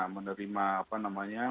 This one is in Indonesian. menerima apa namanya